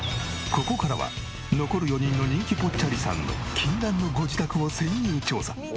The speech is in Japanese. ここからは残る４人の人気ぽっちゃりさんの禁断のご自宅を潜入調査。